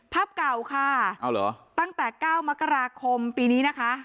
ภาพเก่าค่ะตั้งแต่๙มกราคมปีนี้นะคะ